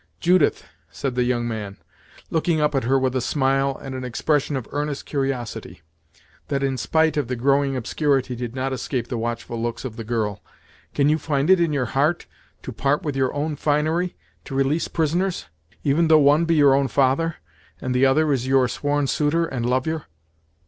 "Judith," said the young man, looking up at her with a smile and an expression of earnest curiosity, that in spite of the growing obscurity did not escape the watchful looks of the girl, "can you find it in your heart, to part with your own finery, to release prisoners; even though one be your own father, and the other is your sworn suitor and lovyer?"